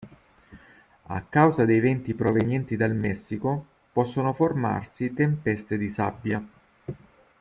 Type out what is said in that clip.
A causa dei venti provenienti dal Messico, possono formarsi tempeste di sabbia.